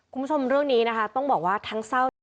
คุณผู้ชมเรื่องนี้ต้องบอกว่าทั้งเศร้า